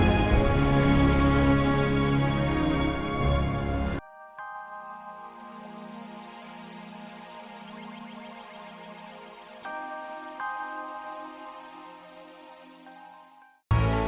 aku akan siap